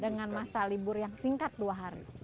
dengan masa libur yang singkat dua hari